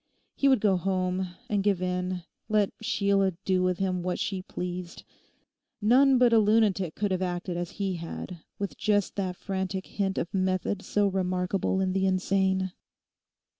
He would go home and give in; let Sheila do with him what she pleased. No one but a lunatic could have acted as he had, with just that frantic hint of method so remarkable in the insane.